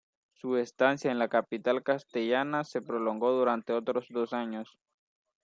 Su estancia en la capital castellana se prolongó durante otros dos años.